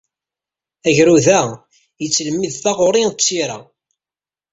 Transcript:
Agrud-a yettlemmid taɣuri d tira.